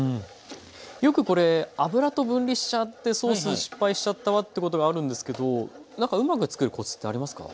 よくこれ油と分離しちゃってソース失敗しちゃったわってことがあるんですけど何かうまく作るコツってありますか？